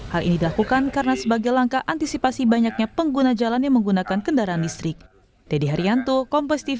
hal ini dilakukan karena sebagai langkah antisipasi banyaknya pengguna jalan yang menggunakan kendaraan listrik